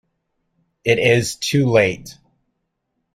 It is too late.